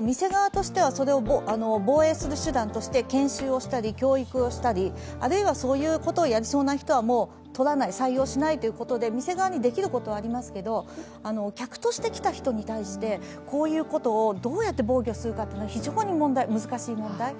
店側としてはそれを防衛する手段として研修したり教育をしたり、そういうことをやりそうな人はもう採用しないということで、店側にできることはありますけど客として来た人に対してこういうことをどうやって防御するかというのは非常に難しい問題。